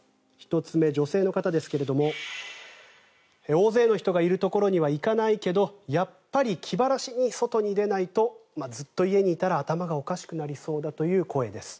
１つ目、女性の方ですけども大勢の人がいるところには行かないけどやっぱり気晴らしに外に出ないとずっと家にいたら頭がおかしくなりそうだという声です。